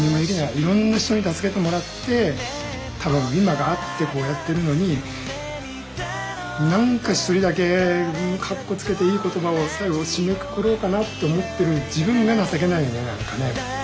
いろんな人に助けてもらって多分今があってこうやってるのになんか一人だけかっこつけていい言葉を最後締めくくろうかなって思ってる自分が情けないねなんかね。